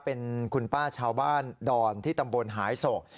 เป็นคุณป้าชาวบ้านดอนที่ตำบลหายโศก